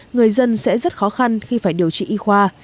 người dân sẽ rất khó khăn khi phải điều trị y khoa